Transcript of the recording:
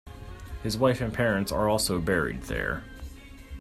His wife and parents are also buried there.